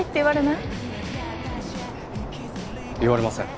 言われません。